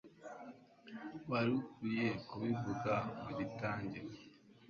Wari ukwiye kubivuga mugitangira.